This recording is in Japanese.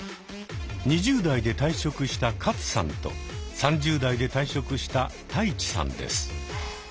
２０代で退職したカツさんと３０代で退職したタイチさんです。